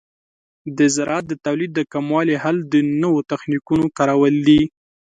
د زراعت د تولید د کموالي حل د نوو تخنیکونو کارول دي.